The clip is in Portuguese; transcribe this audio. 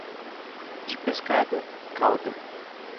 De pescada, cauda.